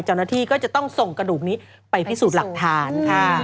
เจ้าหน้าที่ก็จะต้องส่งกระดูกนี้ไปพิสูจน์หลักฐานค่ะ